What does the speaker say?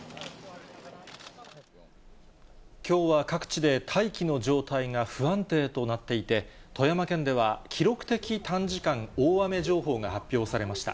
きょうは各地で大気の状態が不安定となっていて、富山県では記録的短時間大雨情報が発表されました。